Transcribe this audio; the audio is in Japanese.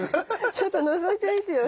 ちょっとのぞいてみてよ。